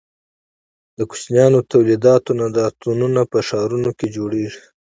د کوچنیو تولیداتو نندارتونونه په ښارونو کې جوړیږي.